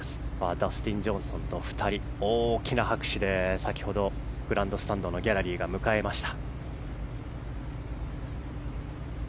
ダスティン・ジョンソンと２人大きな拍手で先ほどグランドスタンドのギャラリーが迎えました。